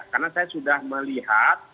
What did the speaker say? karena saya sudah melihat